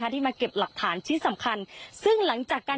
ที่มาเก็บหลักฐานชิ้นสำคัญซึ่งหลังจากการ